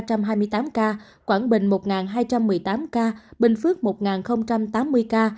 quảng nam một ba trăm hai mươi tám ca quảng bình một hai trăm một mươi tám ca bình phước một tám mươi tám ca bình phước một tám mươi tám ca